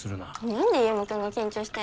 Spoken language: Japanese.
なんで優磨君が緊張してんの？